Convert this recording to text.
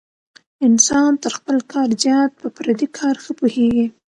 انسان تر خپل کار زیات په پردي کار ښه پوهېږي.